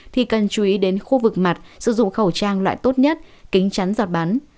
thì cần chú ý đến khu vực mặt sử dụng khẩu trang loại tốt nhất kính chắn giọt bắn